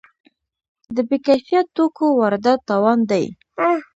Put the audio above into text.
د بې کیفیت توکو واردات تاوان دی.